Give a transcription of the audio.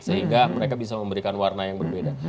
sehingga mereka bisa memberikan warna yang berbeda